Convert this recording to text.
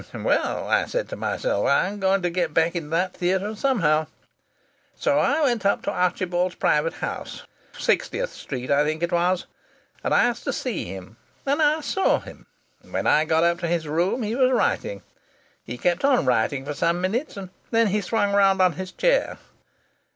'Well,' I said to myself, 'I'm going to get back into that theatre somehow!' So I went up to Archibald's private house Sixtieth Street I think it was and asked to see him, and I saw him. When I got into his room he was writing. He kept on writing for some minutes, and then he swung round on his chair.